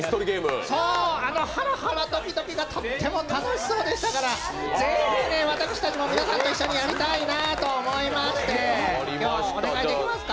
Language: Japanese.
あのハラハラドキドキがとっても楽しそうでしたから、ぜひ私たちも皆さんと一緒にやりたいなと思いましてお願いできますか？